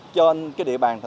trên địa bàn tp hcm